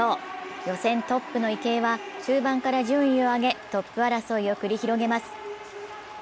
予選トップの池江は中盤から順位を上げ、トップ争いを繰り広げます。